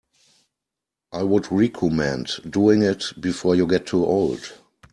I would recommend doing it before you get too old.